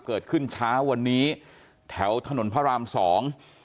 เกิดขึ้นเช้าวันนี้แถวถนนพระรามสอง